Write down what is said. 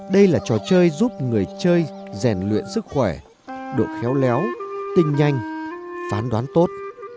đây là trò chơi giúp người chơi rèn luyện sức khỏe độ khéo léo tinh nhanh phán đoán tốt